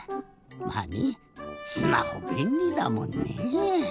まあねぇスマホべんりだもんね。